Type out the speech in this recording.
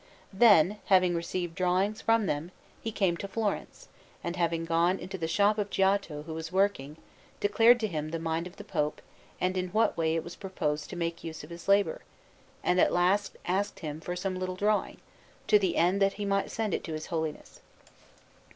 Then, having received drawings from them, he came to Florence, and having gone into the shop of Giotto, who was working, declared to him the mind of the Pope and in what way it was proposed to make use of his labour, and at last asked him for some little drawing, to the end that he might send it to His Holiness.